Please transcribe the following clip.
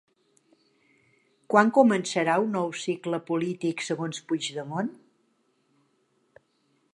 Quan començarà un nou cicle polític segons Puigdemont?